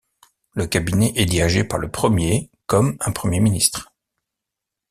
Le cabinet est dirigé par le premier comme un premier ministre.